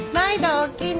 おおきに。